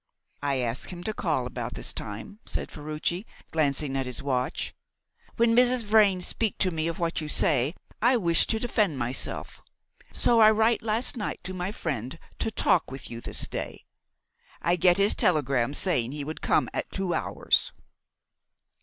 "I asked him to call about this time," said Ferruci, glancing at his watch. "When Mrs. Vrain speak to me of what you say I wish to defend myself, so I write last night to my friend to talk with you this day. I get his telegram saying he would come at two hours."